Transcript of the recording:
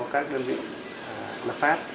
các ngân vị lập pháp